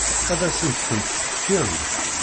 Ad asen-tent-tefkemt?